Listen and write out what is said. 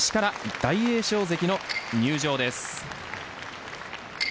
大栄翔関の入場です。